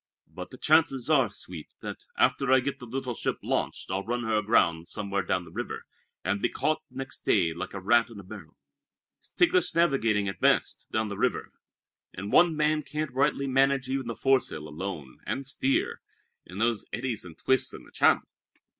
But the chances are, Sweet, that after I get the little ship launched I'll run her aground somewhere down the river, and be caught next day like a rat in a barrel. It's ticklish navigating at best, down the river, and one man can't rightly manage even the foresail alone, and steer, in those eddies and twists in the channel.